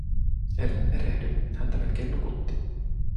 Ellen erehdy, häntä melkein nukutti.